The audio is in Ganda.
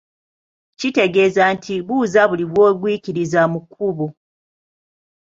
Kitegeeza nti buuza buli gw’ogwikiriza mu kkubo.